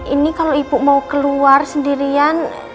ini kalau ibu mau keluar sendirian